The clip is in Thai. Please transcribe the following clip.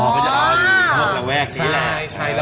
อ๋อพวกละแวกนี้แหละ